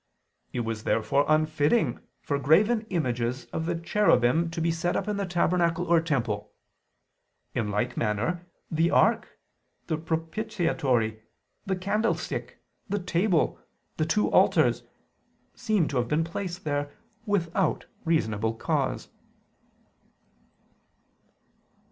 It was therefore unfitting for graven images of the cherubim to be set up in the tabernacle or temple. In like manner, the ark, the propitiatory, the candlestick, the table, the two altars, seem to have been placed there without reasonable cause.